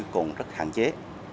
cũng rất hạn chế